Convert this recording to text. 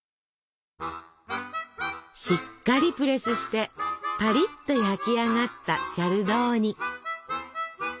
しっかりプレスしてパリッと焼き上がったチャルドーニ。